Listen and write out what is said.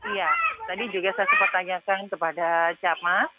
iya tadi juga saya sempat tanyakan kepada cap mas